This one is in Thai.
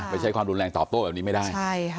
ใช้ความรุนแรงตอบโต้แบบนี้ไม่ได้